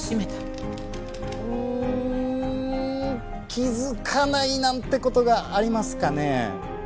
うーん気づかないなんて事がありますかね？